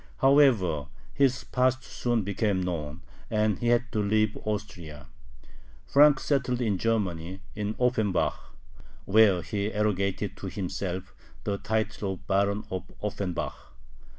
However, his past soon became known, and he had to leave Austria. Frank settled in Germany, in Offenbach, near Frankfort on the Main, where he arrogated to himself the title of "Baron of Offenbach."